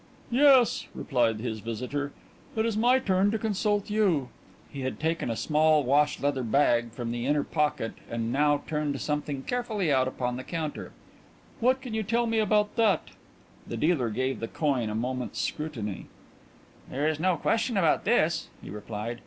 "Yes," replied his visitor; "it is my turn to consult you." He had taken a small wash leather bag from the inner pocket and now turned something carefully out upon the counter. "What can you tell me about that?" The dealer gave the coin a moment's scrutiny. "There is no question about this," he replied.